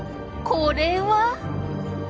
これは？